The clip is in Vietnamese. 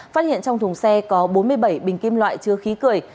phát hiện trong thùng xe có bốn mươi bảy bình kim loại chứa khí cười